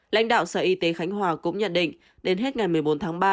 lãnh đạo sở y tế khánh hòa cũng nhận định đến hết ngày một mươi bốn tháng ba